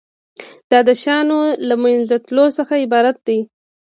دا د شیانو له منځه تلو څخه عبارت دی.